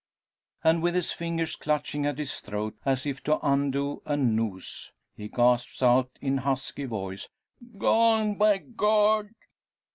And with his fingers clutching at his throat, as if to undo a noose, he gasps out in husky voice: "Gone by God."